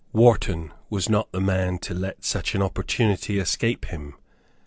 Wharton was not the man to let such an opportunity escape him.